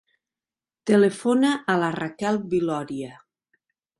Telefona a la Raquel Viloria.